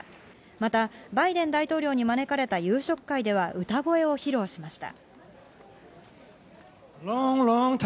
また、バイデン大統領に招かれた夕食会では歌声を披露しました。